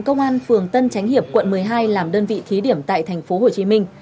công an phường tân tránh hiệp quận một mươi hai làm đơn vị thí điểm tại tp hcm